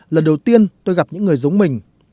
lần đầu tiên tôi gặp những người giống mình